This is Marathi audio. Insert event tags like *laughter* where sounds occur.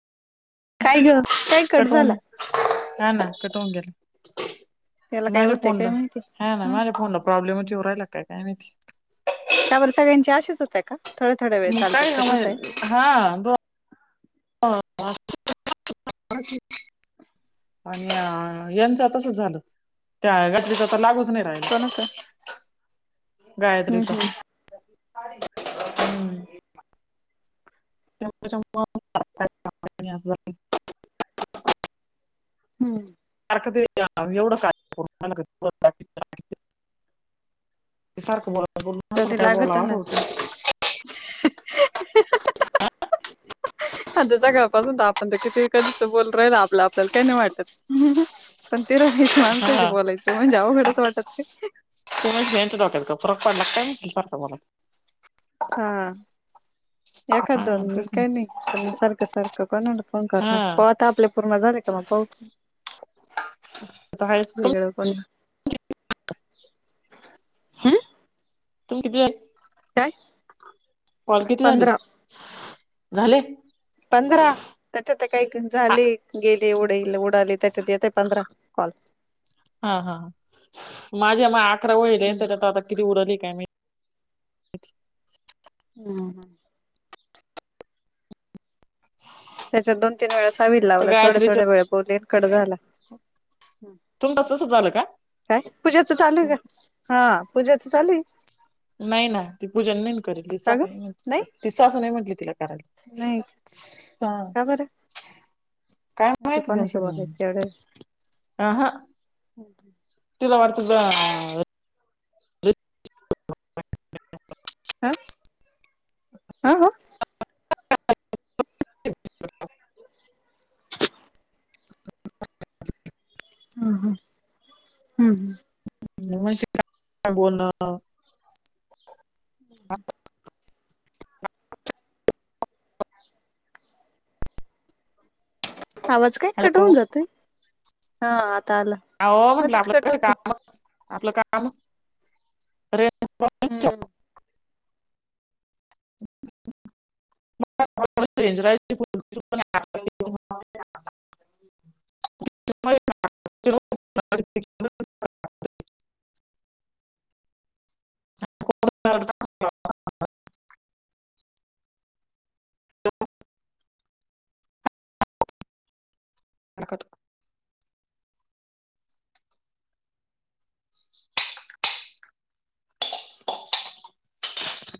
काय ग काय कट झाला. का ना कटवून गेलं याला काय माझ्या होतंय काय फोनला. माहिती ह ना हा माझ्या फोनला प्रॉब्लेमच येऊ राहिला कायकाय माहिती त्या वर् सगळ्यांची आशीच होताय थोड्या थोड्या वेळ मग चालतं काय कट होतय. म्हणजे हा ग. *inaudible* आणि यांचं तसच झालं त्या गटडीच तर लागूच नाही राहि. कोणाचा? गायत्री. *unintelligible* हम्म. काररकतरी एवढं का कर *unintelligible* त सार को बोल *unintelligible* जाऊदे ते काय लागत बोलाव असं ना. होत आता सकाळ पासून क ते कधीच बोल राहिल आपलं आपल्याला काही नाही वाटतात पण ते माणसशी हा बोलायचं म्हणजे अवघडंच वाटत ते. तू मेहडोकत का फरक पडला काय फर मला. हा एखा हा दोन तेच ना काही नाही. ण सारखं सारखं कोणाला फोन हा करणार पाहु आता आपल्या पूर्ण झाले का मग पाऊ. हा स्कूल हो. तुम क *unintelligible* काय? कॉल किती झाले? पंधरा झाले. पंधरा. त्याच्यात काही झाले गेले उडाल उडाले त्याच्यात येतय पंधरा कॉल. हा हा माझ्या म अकरा वळले हम्म तर आता आता किती उरली काय मी हम् हम. त्याच्यात दोन तीन वेळा सावी त्या लावला थोड्या गायत्रीच थोड्या वेळ बोलली न कट झाला. तुमचं तसं झालं का? काय पूजेच चालू आहे का हा पूजेच चालू आहे. नाही ना ती पूजन नाही करेल ति का ग असं नाही ती सासु ति सासु नाही म्हटली तिला करायला. नाही. हा का बरं? काय अशी माहित कोणाशी त्यांचं बोलायचं ते एवढं आहां तिला वाटत काय *unintelligible* आं आह. *inaudible* हम् हम हम्म. नशीब काय बोलणं हम् ह *inaudible* आवाज काय कट हॅलो होवून जातोय? हां आता आला. अ हो म्हंटलं मध्येच आपलं कट कस होतो काम आपलं काम रे हम्म ंज *unintelligible* ह *inaudible* *unintelligible* *unintelligible* *inaudible*